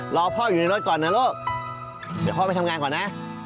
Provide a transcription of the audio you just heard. รอพ่ออยู่ในรถก่อนนะลูกเดี๋ยวพ่อไปทำงานก่อนนะ